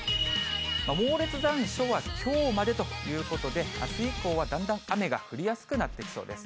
猛烈残暑はきょうまでということで、あす以降はだんだん雨が降りやすくなってきそうです。